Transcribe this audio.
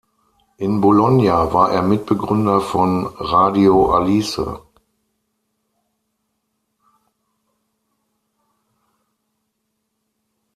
In Bologna war er Mitbegründer von "Radio Alice".